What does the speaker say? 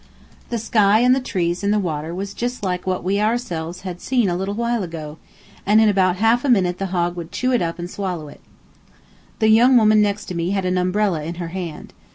The sky and the trees and the water was just like what we ourselves had seen a little while ago, and in about half a minute that hog would chew it up and swallow it. The young woman next to me had an umbrella in her hand.